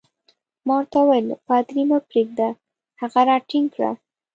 ما ورته وویل: پادري مه پرېږده، هغه راټینګ کړه.